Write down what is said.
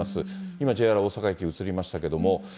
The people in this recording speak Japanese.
今ＪＲ大阪駅映りましたけども。